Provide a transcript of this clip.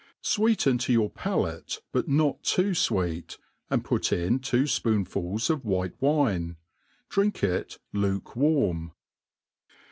Sweeten to your palate, but not too fweef, and put in two fpoonfuls of white Wine, Drink it luke warm.